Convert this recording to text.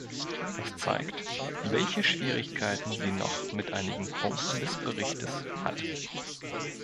Das zeigt, welche Schwierigkeiten sie noch mit einigen Punkten des Berichtes hat.